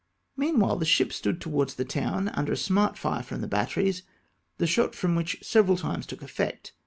Meanwhile the ships stood towards the town, under a smart fire from the batteries, the shot from which several times took effect.